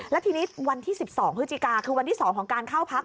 และทีนี้วันที่๑๒พฤศจิกาคือวันที่๒ของการเข้าพัก